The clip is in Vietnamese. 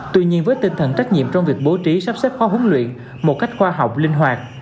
tuy nhiên với tinh thần trách nhiệm trong việc bố trí sắp xếp khóa huấn luyện một cách khoa học linh hoạt